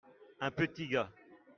un petit gars.